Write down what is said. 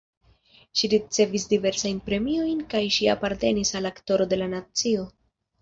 Ŝi ricevis diversajn premiojn kaj ŝi apartenis al Aktoro de la nacio.